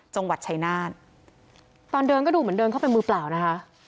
จังหวัดชายนาฏตอนเดินก็ดูเหมือนเดินเข้าไปมือเปล่านะคะ